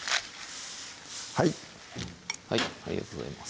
はいはいありがとうございます